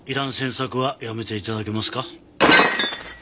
詮索はやめて頂けますか？